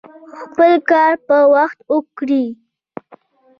خپل کار په وخت وکړئ